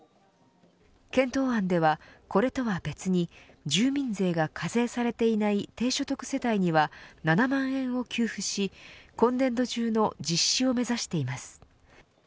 検討案では、これとは別に住民税が課税されていない低所得世帯には７万円を給付し今年度中の実施を目指しています。